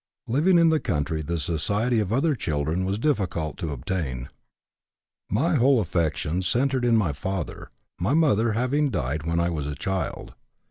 Living in the country the society of other children was difficult to obtain. My whole affections centered in my father, my mother having died when I was a child.